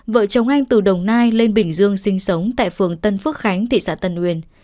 vợ chồng anh từ đồng nai lên bình dương sinh sống tại phường tân phước khánh thị xã tân uyên